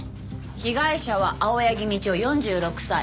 被害者は青柳道夫４６歳。